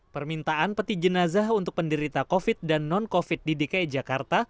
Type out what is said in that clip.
permintaan peti jenazah untuk penderita covid dan non covid di dki jakarta